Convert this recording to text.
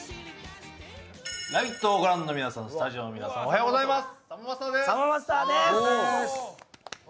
「ラヴィット！」を御覧の皆さん、スタジオの皆さん、おはようございます。